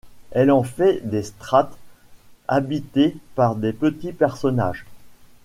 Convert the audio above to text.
Elle en fait des strates habitées par des petits personnages.